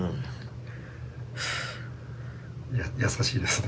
優しいですね。